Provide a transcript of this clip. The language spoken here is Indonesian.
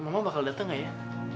mama bakal datang gak ya